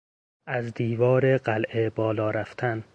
از دیوار قلعه بالا رفتن